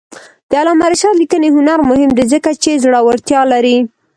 د علامه رشاد لیکنی هنر مهم دی ځکه چې زړورتیا لري.